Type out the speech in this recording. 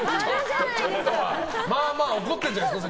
まあまあ怒ってるんじゃないですか？